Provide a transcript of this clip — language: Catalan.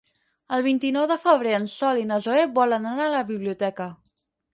El vint-i-nou de febrer en Sol i na Zoè volen anar a la biblioteca.